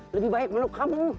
lebih baik menuk kamu